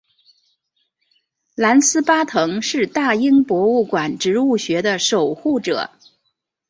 兰斯巴腾是大英博物馆植物学的守护者。